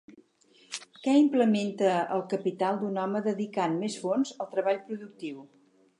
Què implementa el capital d'un home dedicant més fons al treball productiu?